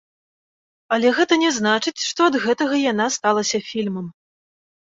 Але гэта не значыць, што ад гэтага яна сталася фільмам.